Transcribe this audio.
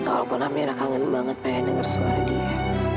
walaupun amirah kangen banget pengen denger suara dia